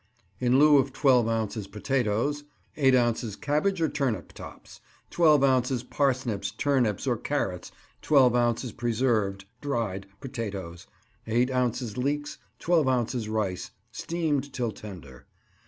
In lieu of twelve ounces potatoes: Eight ounces cabbage or turnip tops; twelve ounces parsnips, turnips, or carrots; twelve ounces preserved (dried) potatoes; eight ounces leeks; twelve ounces rice (steamed till tender).